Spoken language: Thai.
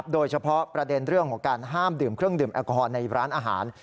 โดยเฉพาะประเด็นเรื่องของการห้ามดื่มเครื่องดื่มแอลกอฮอลในร้านอาหาร